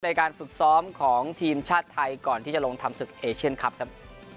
ในการฝึกซ้อมของทีมชาติไทยก่อนที่จะลงทำศึกเอเชียนคลับครับ